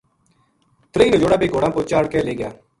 تریہی نجوڑا بے گھوڑاں پو چاہڑ کے لے گیا